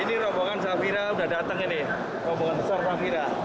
ini rombongan safira sudah datang ini rombongan besar safira